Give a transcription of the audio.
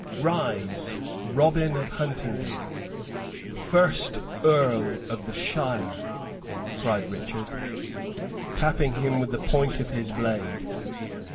"Rise, Robin of Huntingdon, first Earl of the shire!" cried Richard, tapping him with the point of his blade.